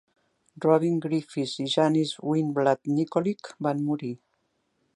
Robyn Griffiths i Janice Winblad Nicolich van morir.